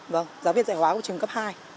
vâng giáo viên dạy hóa của trường cấp hai